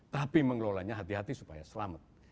tapi mengelolanya hati hati supaya selamat